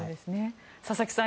佐々木さん